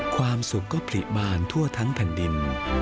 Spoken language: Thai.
ความสุขก็ผลิบานทั่วทั้งแผ่นดิน